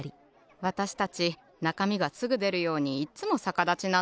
わたしたちなかみがすぐでるようにいっつもさかだちなの。